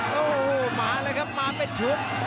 โอ้โหมาเลยครับมาเป็นชุด